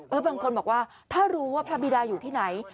บางคนบอกว่าถ้ารู้ว่าพระบิดาอยู่ที่ไหน